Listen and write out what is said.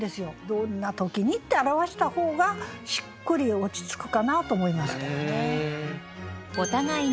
どんな時にって表した方がしっくり落ち着くかなと思いました。